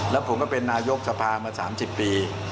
แล้วผมก็เป็นนายกสภามา๓๐ปี